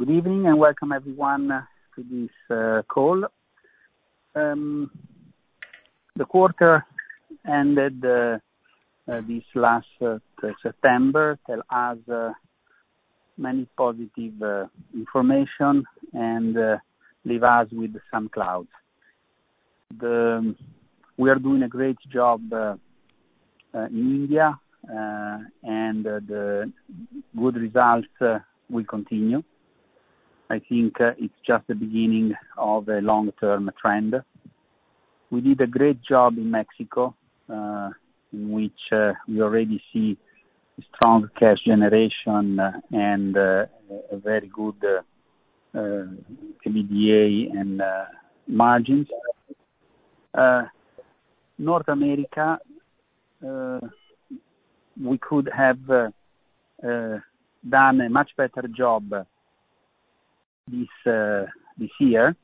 Good evening and welcome everyone to this call. The quarter ended this last September tell us many positive information and leave us with some clouds. We are doing a great job in India and the good results will continue. I think it's just the beginning of a long-term trend. We did a great job in Mexico in which we already see strong cash generation and a very good EBITDA and margins. North America we could have done a much better job this year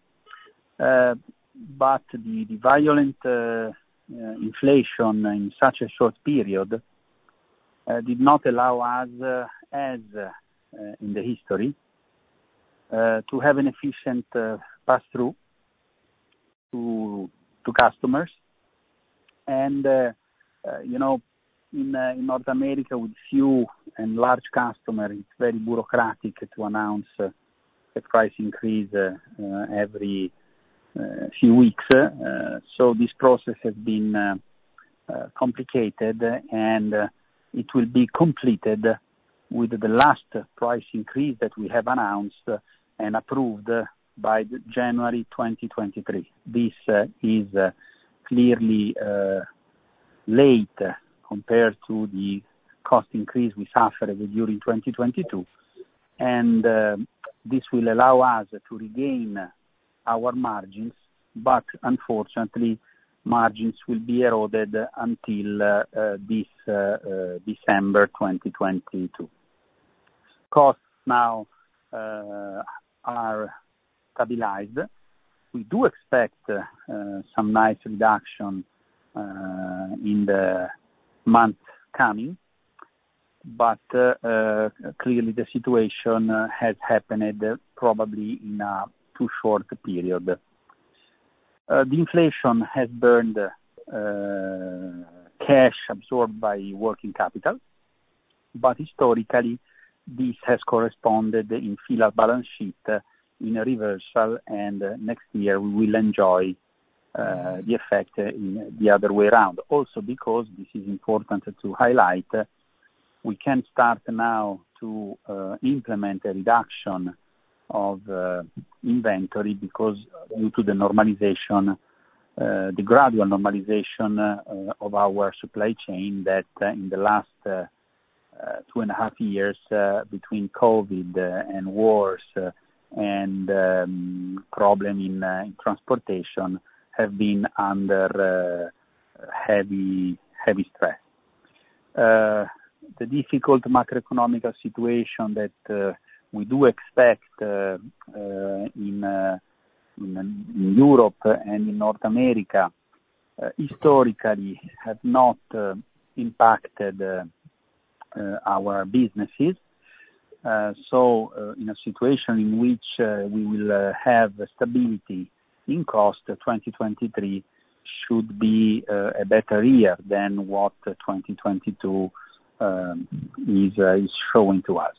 but the violent inflation in such a short period did not allow us as in the history to have an efficient pass-through to customers. You know, in North America with a few large customers, it's very bureaucratic to announce a price increase every few weeks. This process has been complicated, and it will be completed with the last price increase that we have announced and approved by January 2023. This is clearly late compared to the cost increase we suffered during 2022. This will allow us to regain our margins, but unfortunately, margins will be eroded until this December 2022. Costs now are stabilized. We do expect some nice reduction in the months coming, but clearly the situation has happened probably in a too short period. The inflation has burned cash absorbed by working capital, but historically, this has corresponded in F.I.L.A. balance sheet in a reversal, and next year, we will enjoy the effect in the other way around. Also because this is important to highlight, we can start now to implement a reduction of inventory because due to the gradual normalization of our supply chain that in the last two and a half years, between COVID and wars and problem in transportation have been under heavy stress. The difficult macroeconomic situation that we do expect in Europe and in North America historically have not impacted our businesses. In a situation in which we will have stability in cost, 2023 should be a better year than what 2022 is showing to us.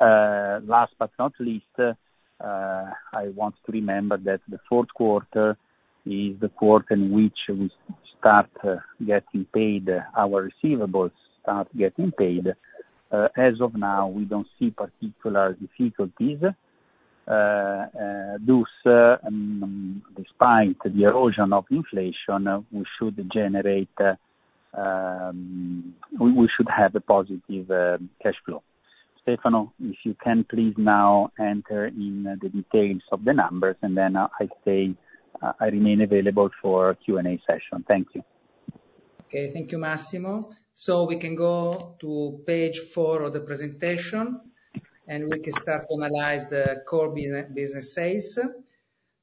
Last but not least, I want to remember that the fourth quarter is the quarter in which we start getting paid, our receivables start getting paid. As of now, we don't see particular difficulties. Thus, despite the erosion of inflation, we should have a positive cash flow. Stefano, if you can please now enter in the details of the numbers, and then I say, I remain available for Q&A session. Thank you. Okay. Thank you, Massimo. We can go to page four of the presentation, and we can start analyze the core business sales.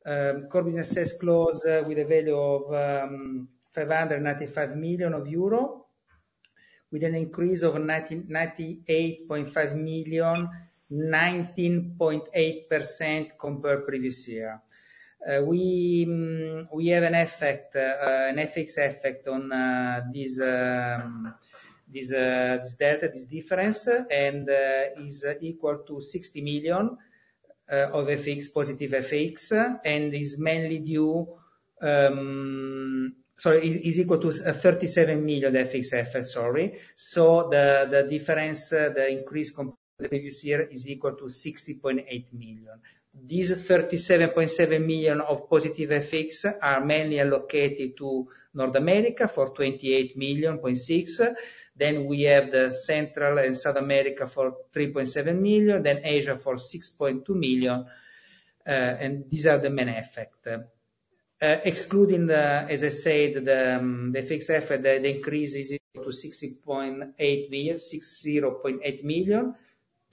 Core business sales closed with a value of 595 million euro, with an increase of 98.5 million, 19.8% compared previous year. We have an effect, an FX effect on this data, this difference, and is equal to 60 million of FX, positive FX, and is mainly due. Sorry, it is equal to 37 million FX effect. The difference, the increase compared to the previous year is equal to 60.8 million. These 37.7 million of positive FX are mainly allocated to North America for 28.6 million. We have Central and South America for 3.7 million, then Asia for 6.2 million. These are the main effect. Excluding, as I said, the FX effect, the increase is equal to 60.8 million,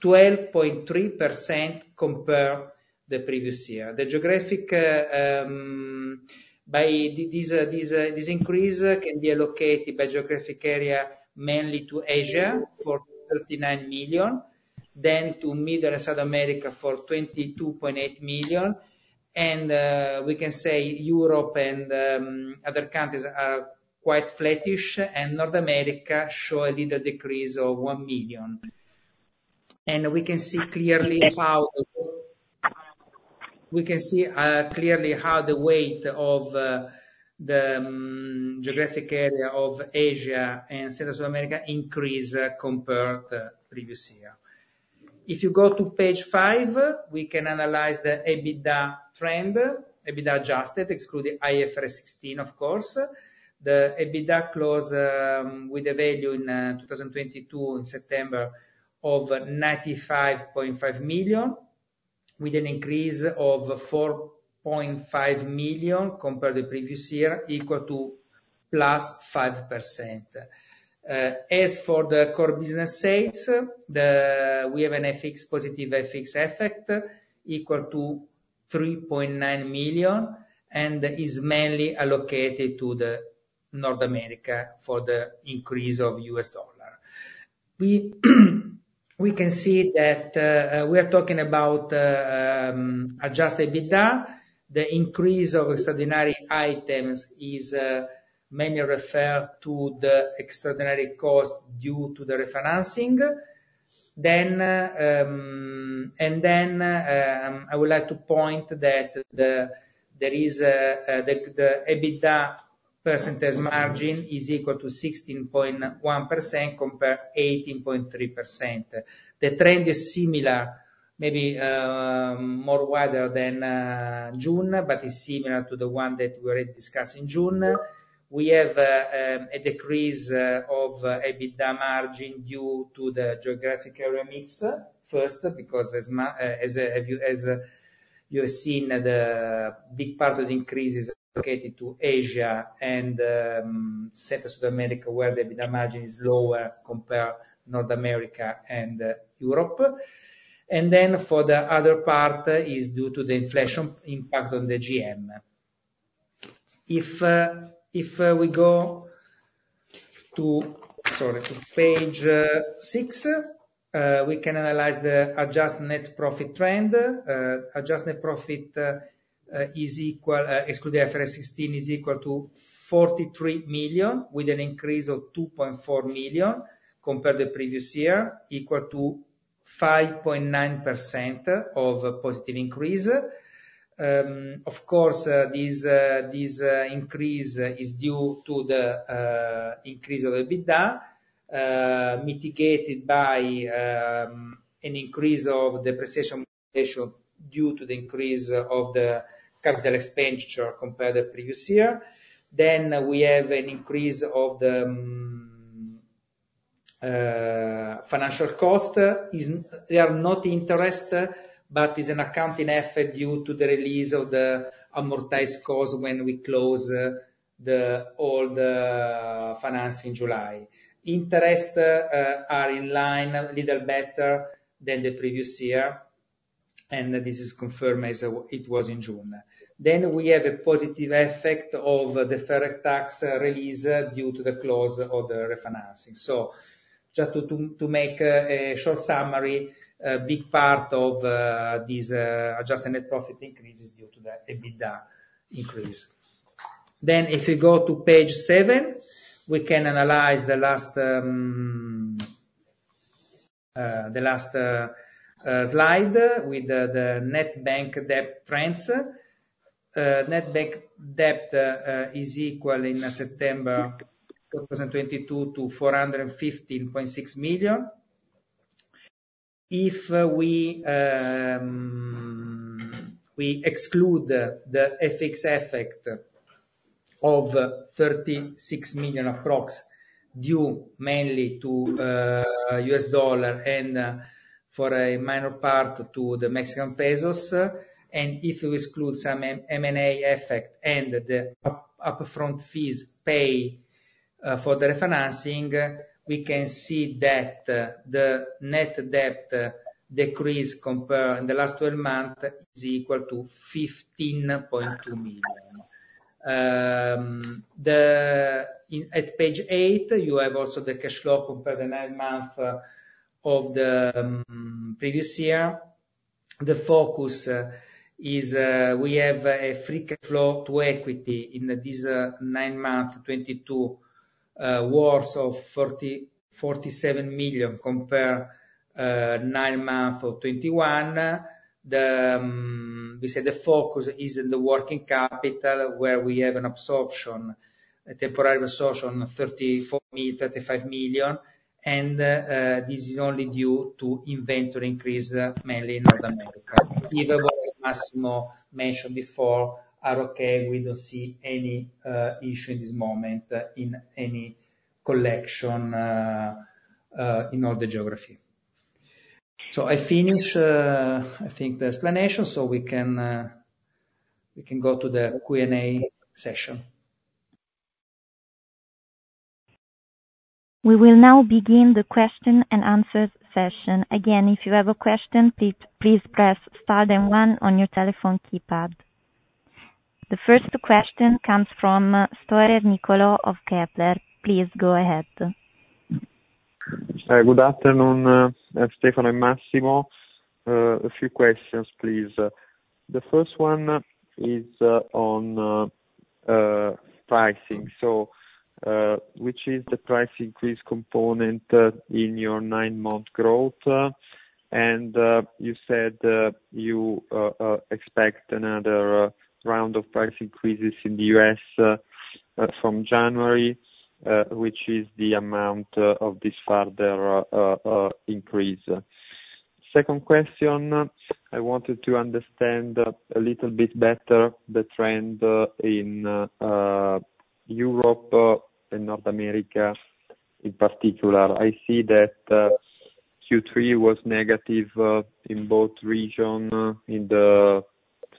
12.3% compared the previous year. This increase can be allocated by geographic area, mainly to Asia for 39 million. Then to Middle South America for 22.8 million, and we can say Europe and other countries are quite flattish, and North America showed a little decrease of 1 million. We can see clearly how the weight of the geographic area of Asia and Central America increased compared to previous year. If you go to page five, we can analyze the EBITDA trend, EBITDA adjusted excluding IFRS 16 of course. The EBITDA closed with a value in 2022 in September of 95.5 million, with an increase of 4.5 million compared to the previous year, equal to +5%. As for the core business sales, we have a positive FX effect equal to 3.9 million, and is mainly allocated to North America due to the increase in the U.S. dollar. We can see that we are talking about adjusted EBITDA. The increase of extraordinary items is mainly referred to the extraordinary cost due to the refinancing. I would like to point out that the EBITDA percentage margin is equal to 16.1% compared to 18.3%. The trend is similar, maybe, wider than June, but it's similar to the one that we already discussed in June. We have a decrease of EBITDA margin due to the geographic area mix, first because as you have seen the big part of the increase is allocated to Asia and Central America, where the EBITDA margin is lower compared to North America and Europe. For the other part is due to the inflation impact on the GM. If we go to page six, sorry, we can analyze the adjusted net profit trend. Adjusted net profit, excluding IFRS 16, is equal to 43 million, with an increase of 2.4 million compared to the previous year, equal to 5.9% of positive increase. Of course, this increase is due to the increase of EBITDA, mitigated by an increase of depreciation due to the increase of the capital expenditure compared to the previous year. We have an increase of the financial cost. They are not interest, but is an accounting effort due to the release of the amortized cost when we close all the finance in July. Interest are in line, a little better than the previous year, and this is confirmed as it was in June. We have a positive effect of deferred tax release due to the close of the refinancing. Just to make a short summary, a big part of these adjusted net profit increase is due to the EBITDA increase. If you go to page seven, we can analyze the last slide with the net bank debt trends. Net bank debt is equal in September 2022 to 415.6 million. If we exclude the FX effect of approximately 36 million, due mainly to U.S. dollar and for a minor part to the Mexican pesos, and if we exclude some M&A effect and the upfront fees paid for the refinancing, we can see that the net debt decrease compared in the last 12 months is equal to 15.2 million. At page eight, you have also the cash flow compared to nine months of the previous year. The focus is we have a free cash flow to equity in this nine months 2022 worth of 47 million compared to nine months of 2021. We say the focus is in the working capital, where we have an absorption, a temporary absorption of 34 million-35 million. This is only due to inventory increase, mainly in North America. Even what Massimo mentioned before are okay. We don't see any issue in this moment in any collection in all the geography. I finish, I think, the explanation, so we can go to the Q&A session. We will now begin the question and answer session. Again, if you have a question, please press star then one on your telephone keypad. The first question comes from Storer Niccolò of Kepler. Please go ahead. Good afternoon, Stefano and Massimo. A few questions, please. The first one is on pricing. Which is the price increase component in your nine-month growth? You said you expect another round of price increases in the U.S. from January, which is the amount of this further increase. Second question, I wanted to understand a little bit better the trend in Europe and North America in particular. I see that Q3 was negative in both regions in the,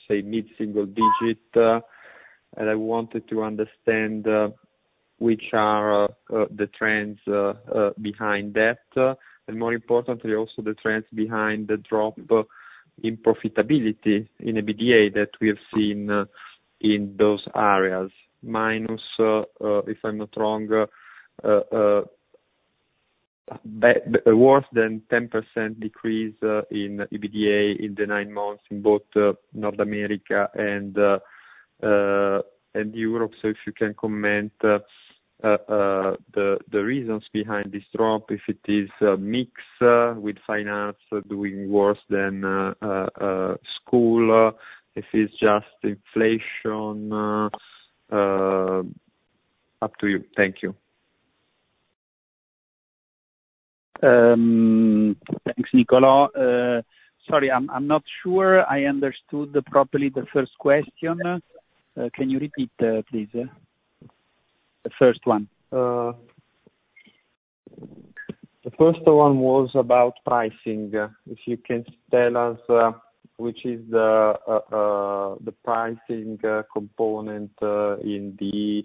say, mid-single digit. I wanted to understand which are the trends behind that. More importantly, also the trends behind the drop in profitability in EBITDA that we have seen in those areas. If I'm not wrong, worse than 10% decrease in EBITDA in the nine months in both North America and Europe. If you can comment on the reasons behind this drop, if it is mix with Fine Art doing worse than school, if it's just inflation, up to you. Thank you. Thanks, Niccolò. Sorry, I'm not sure I understood properly the first question. Can you repeat, please? The first one. The first one was about pricing. If you can tell us which is the pricing component in the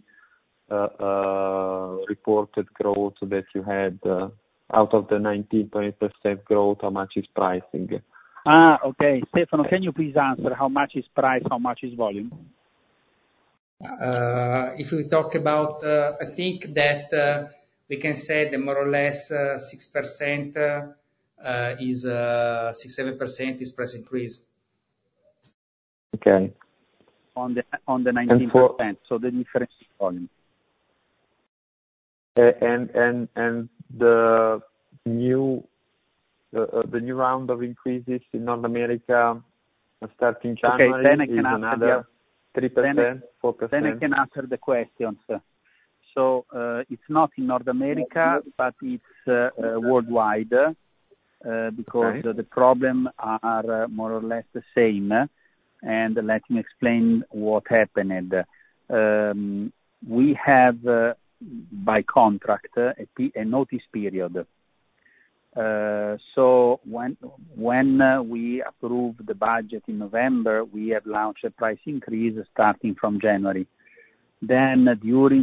reported growth that you had out of the 19% growth, how much is pricing? Okay. Stefano, can you please answer how much is price, how much is volume? If we talk about, I think that we can say that more or less 6%-7% is price increase. Okay. On the 19%. The difference is volume. The new round of increases in North America starting January- Okay, I can answer, yeah. It's another 3%, 4%. I can answer the questions. It's not in North America, but it's worldwide. Okay. Because the problem are more or less the same. Let me explain what happened. We have, by contract, a notice period. When we approve the budget in November, we have launched a price increase starting from January. During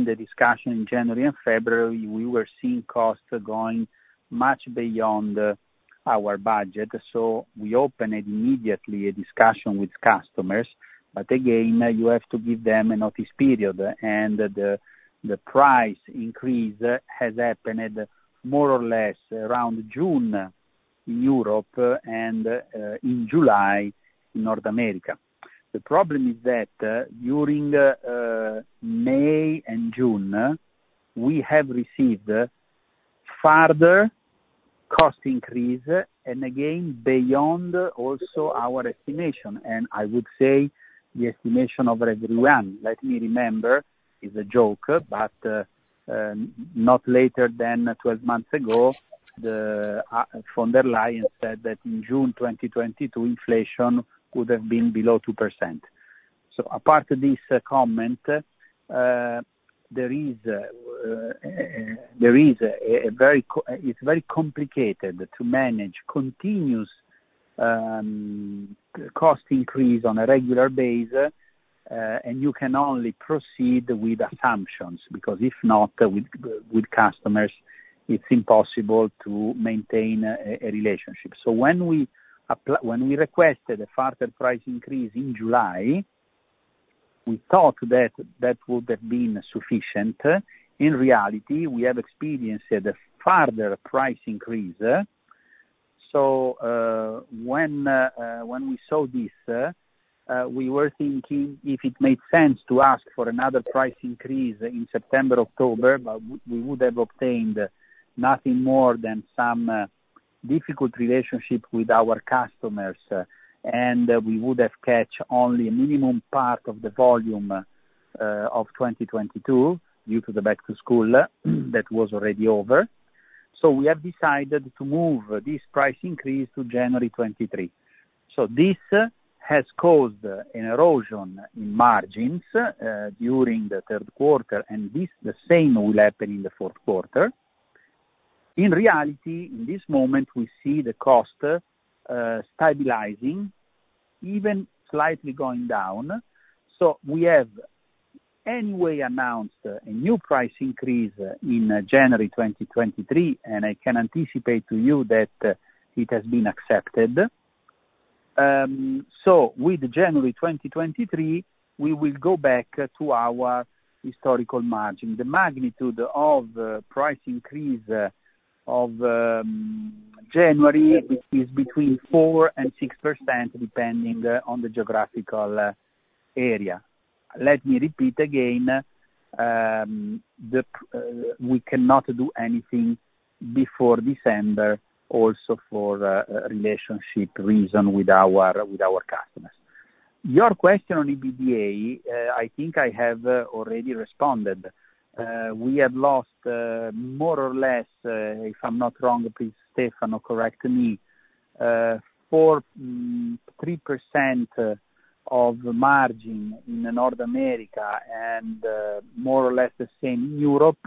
the discussion in January and February, we were seeing costs going much beyond our budget. We opened immediately a discussion with customers. Again, you have to give them a notice period. The price increase has happened more or less around June in Europe and in July in North America. The problem is that during May and June, we have received further cost increase and again, beyond also our estimation, and I would say the estimation of everyone. Let me remember, it's a joke, but not later than 12 months ago, the Bundesbank said that in June 2022 inflation would have been below 2%. Apart from this comment, it's very complicated to manage continuous cost increase on a regular basis, and you can only proceed with assumptions, because if not with customers, it's impossible to maintain a relationship. When we requested a further price increase in July, we thought that would have been sufficient. In reality, we have experienced a further price increase. When we saw this, we were thinking if it made sense to ask for another price increase in September, October, but we would have obtained nothing more than some difficult relationship with our customers, and we would have caught only a minimum part of the volume of 2022 due to the back to school that was already over. We have decided to move this price increase to January 2023. This has caused an erosion in margins during the third quarter, and the same will happen in the fourth quarter. In reality, in this moment, we see the cost stabilizing, even slightly going down. We have anyway announced a new price increase in January 2023, and I can anticipate to you that it has been accepted. With January 2023, we will go back to our historical margin. The magnitude of price increase of January is between 4%-6% depending on the geographical area. Let me repeat again, we cannot do anything before December also for relationship reason with our customers. Your question on EBITDA, I think I have already responded. We have lost, more or less, if I'm not wrong, please, Stefano, correct me, 3%-4% of margin in North America and, more or less the same Europe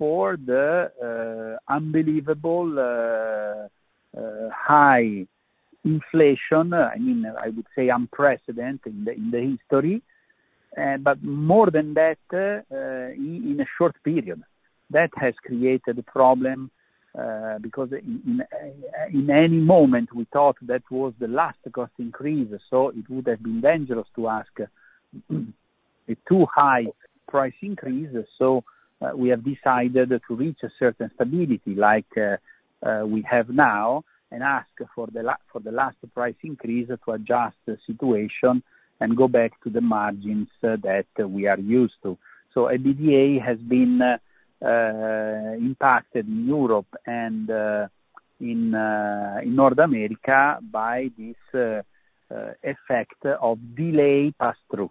for the unbelievable high inflation. I mean, I would say unprecedented in the history, but more than that, in a short period. That has created a problem, because in any moment we thought that was the last cost increase, so it would have been dangerous to ask a too high price increase. We have decided to reach a certain stability like we have now and ask for the last price increase to adjust the situation and go back to the margins that we are used to. EBITDA has been impacted in Europe and in North America by this effect of delayed pass-through.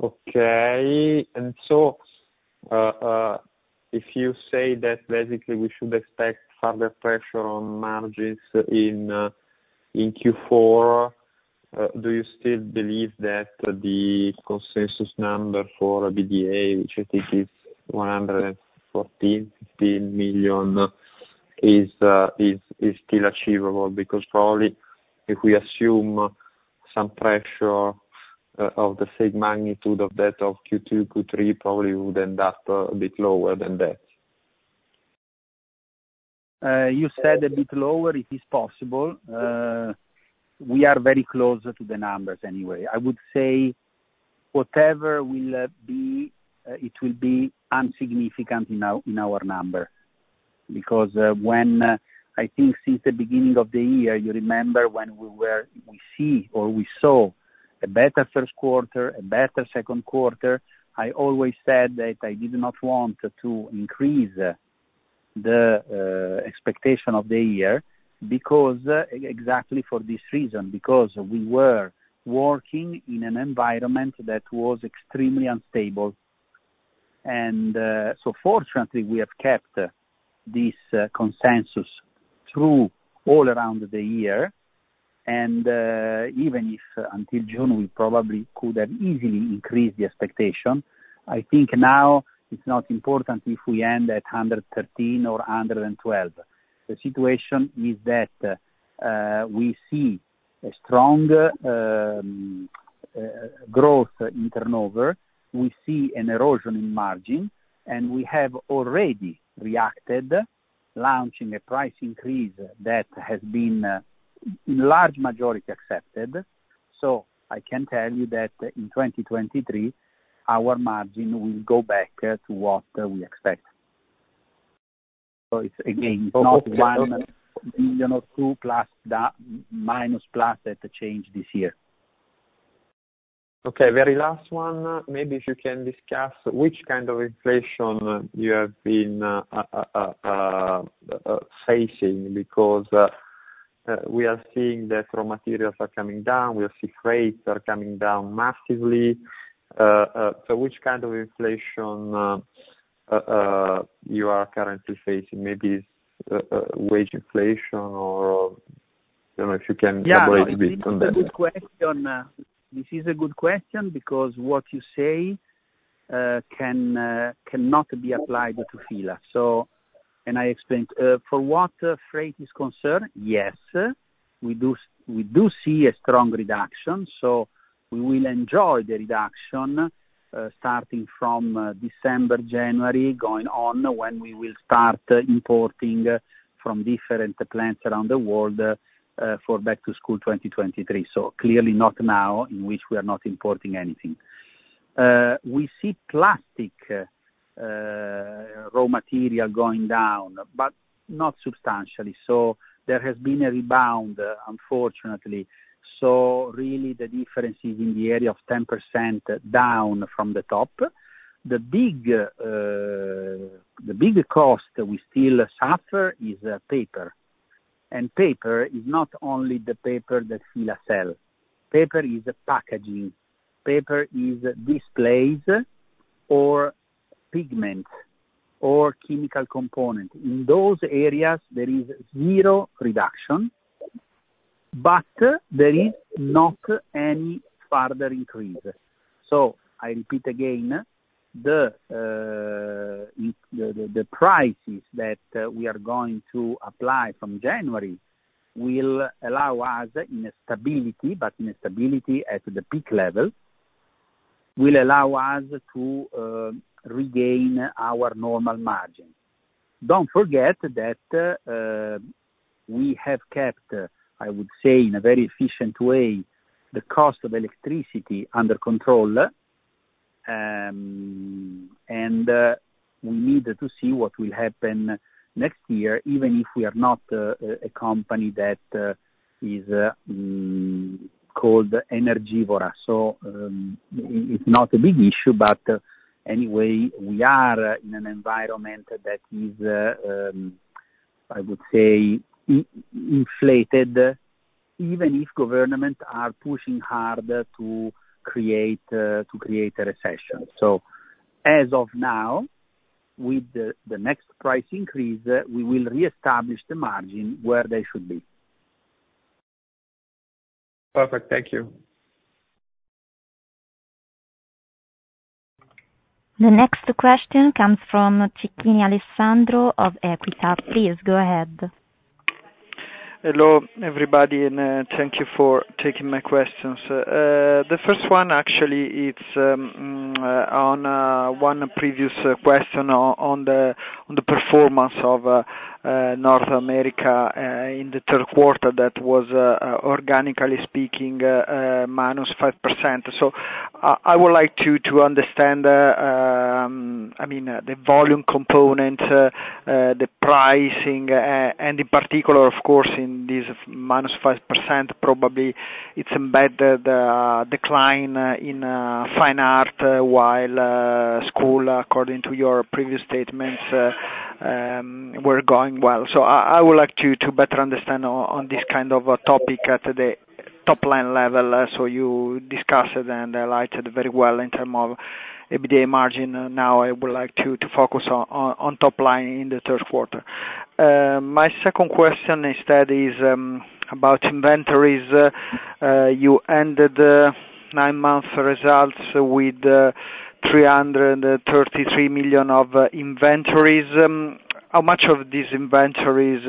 Okay. If you say that basically we should expect further pressure on margins in Q4, do you still believe that the consensus number for EBITDA, which I think is 114 million-115 million, is still achievable? Because probably if we assume some pressure of the same magnitude of that of Q2, Q3, probably would end up a bit lower than that. You said a bit lower, it is possible. We are very close to the numbers anyway. I would say whatever will be, it will be insignificant in our number. Because when I think since the beginning of the year, you remember when we saw a better first quarter, a better second quarter, I always said that I did not want to increase the expectation of the year because exactly for this reason, because we were working in an environment that was extremely unstable. Fortunately, we have kept this consensus throughout the year. Even if until June, we probably could have easily increased the expectation, I think now it's not important if we end at 113 million or 112 million. The situation is that we see a strong growth in turnover. We see an erosion in margin, and we have already reacted, launching a price increase that has been in large majority accepted. I can tell you that in 2023, our margin will go back to what we expect. It's again, it's not 1 million or 2 million plus that minus plus that change this year. Okay. Very last one. Maybe if you can discuss which kind of inflation you have been facing, because we are seeing that raw materials are coming down. We are seeing freights are coming down massively. Which kind of inflation you are currently facing? Maybe wage inflation or I don't know if you can elaborate a bit on that. Yeah. This is a good question because what you say cannot be applied to F.I.L.A. Can I explain? For what freight is concerned, yes, we see a strong reduction, so we will enjoy the reduction starting from December, January, going on when we will start importing from different plants around the world for back-to-school 2023. Clearly not now in which we are not importing anything. We see plastic raw material going down, but not substantially. There has been a rebound, unfortunately. Really the difference is in the area of 10% down from the top. The big cost that we still suffer is paper. Paper is not only the paper that F.I.L.A. sell. Paper is packaging, paper is displays or pigments or chemical component. In those areas, there is zero reduction, but there is not any further increase. I repeat again, the prices that we are going to apply from January will allow us in a stability, but in a stability at the peak level, will allow us to regain our normal margin. Don't forget that, we have kept, I would say, in a very efficient way, the cost of electricity under control. We need to see what will happen next year, even if we are not a company that is called energy voracious. It's not a big issue, but anyway, we are in an environment that is, I would say, inflated, even if government are pushing harder to create a recession. As of now, with the next price increase, we will reestablish the margin where they should be. Perfect. Thank you. The next question comes from Cecchini Alessandro of EQUITA. Please go ahead. Hello, everybody, and thank you for taking my questions. The first one actually is on a previous question on the performance of North America in the third quarter that was organically speaking -5%. I would like to understand, I mean, the volume component, the pricing, and in particular, of course, in this -5%, probably it's embedded decline in Fine Art, while school, according to your previous statements, were going well. I would like to better understand on this kind of a topic at the top line level. You discussed it and highlighted very well in terms of EBITDA margin. Now I would like to focus on top line in the third quarter. My second question instead is about inventories. You ended the nine-month results with 333 million of inventories. How much of these inventories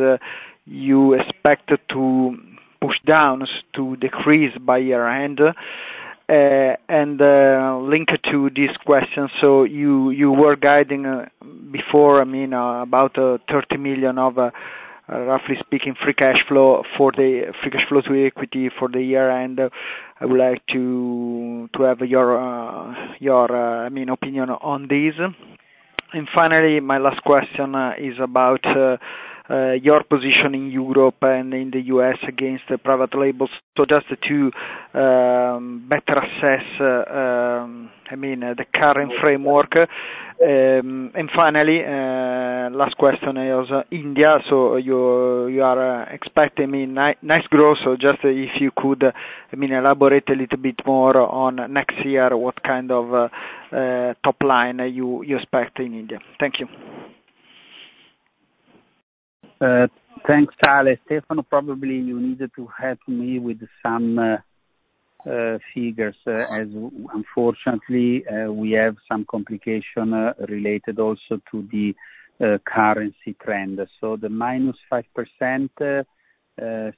you expect to push down, to decrease by year-end? Linked to this question, you were guiding before, I mean, about, roughly speaking, 30 million of free cash flow to equity for the year-end. I would like to have your, I mean, opinion on this. Finally, my last question is about your position in Europe and in the U.S. against the private labels. Just to better assess, I mean, the current framework. Finally, last question is India. You are expecting, I mean, nice growth. Just if you could, I mean, elaborate a little bit more on next year, what kind of top line are you expect in India? Thank you. Thanks, Ale. Stefano, probably you need to help me with some figures, as unfortunately, we have some complication related also to the currency trend. The -5%,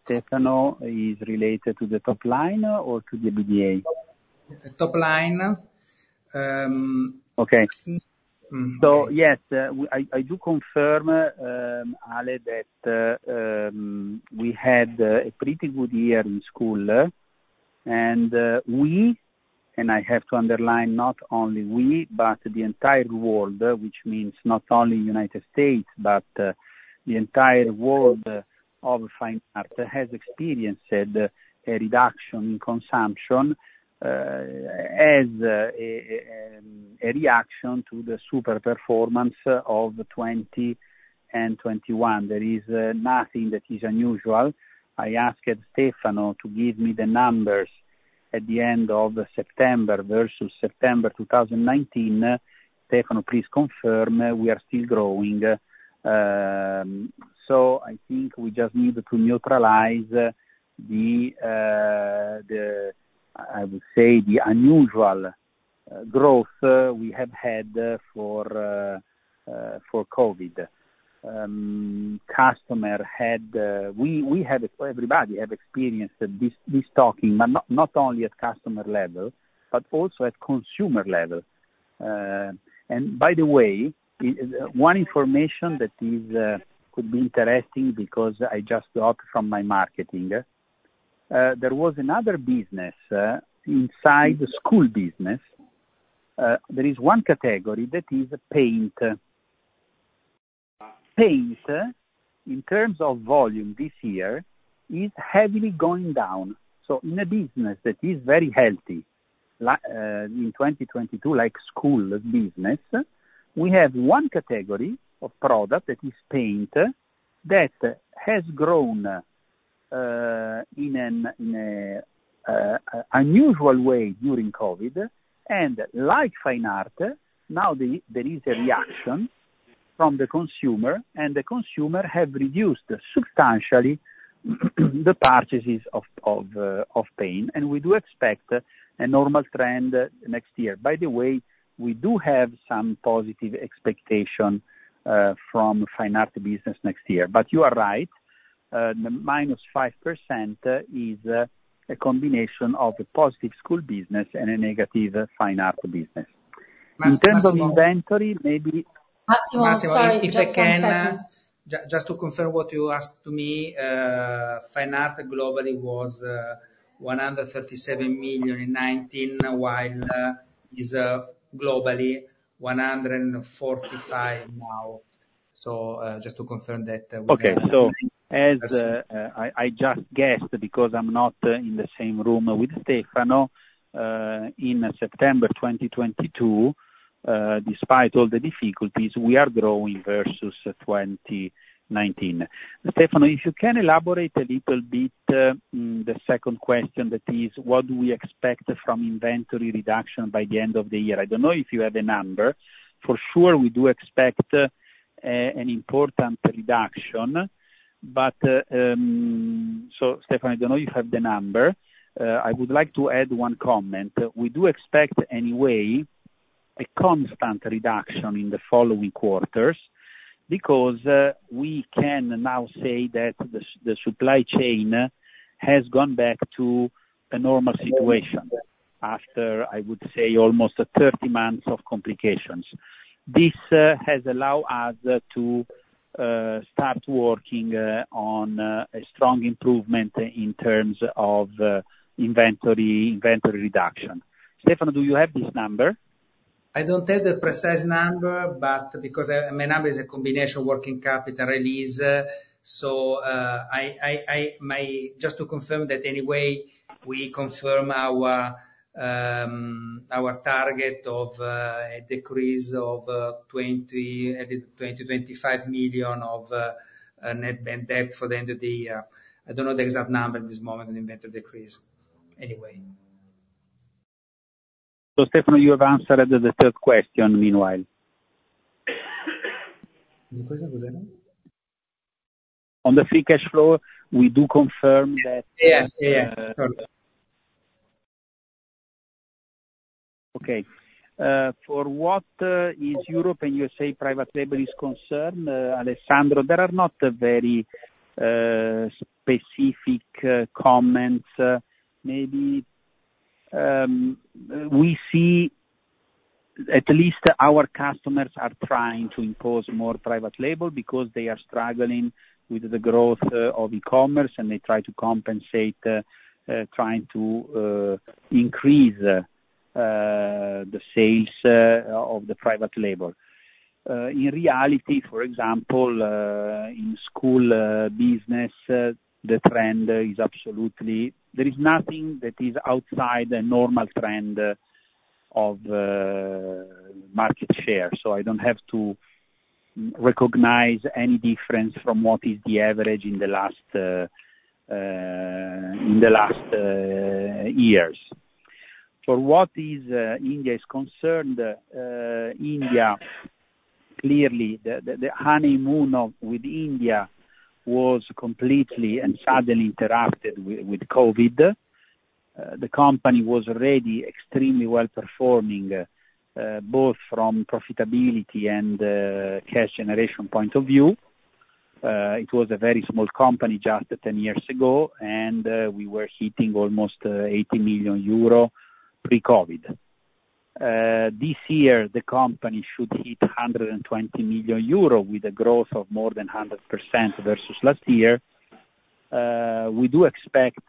Stefano, is related to the top line or to the EBITDA? The top line. Okay. Mm. Yes, I do confirm, Ale, that we had a pretty good year in school. I have to underline not only we, but the entire world, which means not only United States, but the entire world of Fine Art, has experienced a reduction in consumption, as a reaction to the super performance of 2020 and 2021. There is nothing that is unusual. I asked Stefano to give me the numbers at the end of September versus September 2019. Stefano, please confirm, we are still growing. I think we just need to neutralize the, I would say, the unusual growth we have had for COVID. We had everybody have experienced this talking, but not only at customer level, but also at consumer level. By the way, one information that could be interesting because I just got from my marketing. There was another business inside the school business. There is one category that is paint. Paint, in terms of volume this year, is heavily going down. In a business that is very healthy in 2022, like school business, we have one category of product that is paint, that has grown in an unusual way during COVID. Like Fine Art, now there is a reaction from the consumer, and the consumer have reduced substantially the purchases of paint, and we do expect a normal trend next year. By the way, we do have some positive expectation from Fine Art business next year. You are right, the -5% is a combination of a positive school business and a negative Fine Art business. Massimo- In terms of inventory, maybe. Massimo, sorry, just one second. Just to confirm what you asked me. Fine Art globally was 137 million in 2019, while is globally 145 million now. just to confirm that, with that. As I just guessed, because I'm not in the same room with Stefano, in September 2022, despite all the difficulties, we are growing versus 2019. Stefano, if you can elaborate a little bit, the second question, that is, what do we expect from inventory reduction by the end of the year? I don't know if you have a number. For sure, we do expect an important reduction. Stefano, I don't know if you have the number. I would like to add one comment. We do expect, anyway, a constant reduction in the following quarters because we can now say that the supply chain has gone back to a normal situation after, I would say, almost 30 months of complications. This has allowed us to start working on a strong improvement in terms of inventory reduction. Stefano, do you have this number? I don't have the precise number, but because my number is a combination working capital release, so, just to confirm that anyway, we confirm our target of a decrease of 20 million-25 million of net debt for the end of the year. I don't know the exact number at this moment of the inventory decrease. Anyway. Stefano, you have answered the third question meanwhile. On the free cash flow, we do confirm that- Yeah, yeah. Sorry. Okay. For what is Europe and U.S.A. private label is concerned, Alessandro, there are not a very specific comments, maybe. We see at least our customers are trying to impose more private label because they are struggling with the growth of e-commerce, and they try to compensate trying to increase the sales of the private label. In reality, for example, in school business, the trend is absolutely. There is nothing that is outside the normal trend of market share. So I don't have to recognize any difference from what is the average in the last years. For what is India is concerned, India, clearly, the honeymoon with India was completely and suddenly interrupted with COVID. The company was already extremely well performing, both from profitability and cash generation point of view. It was a very small company just 10 years ago, and we were hitting almost 80 million euro pre-COVID. This year, the company should hit 120 million euro with a growth of more than 100% versus last year. We do expect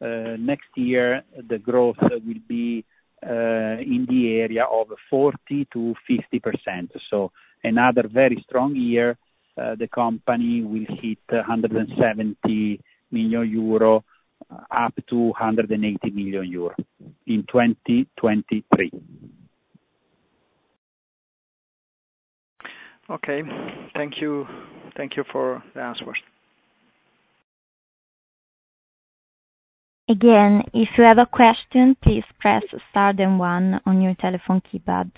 next year, the growth will be in the area of 40%-50%. Another very strong year, the company will hit 170 million euro, up to 180 million euro in 2023. Okay, thank you. Thank you for the answers. Again, if you have a question, please press star then one on your telephone keypad.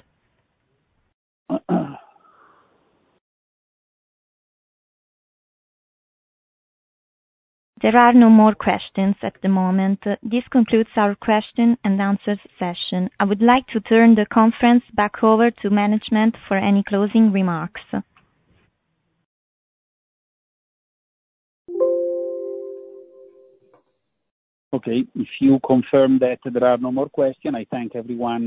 There are no more questions at the moment. This concludes our question and answer session. I would like to turn the conference back over to management for any closing remarks. Okay. If you confirm that there are no more questions, I thank everyone.